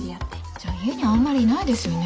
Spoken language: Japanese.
じゃあ家にあんまりいないですよね。